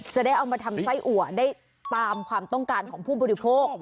จะได้เอามาทำไส้อัวได้ตามความต้องการของผู้บริโภค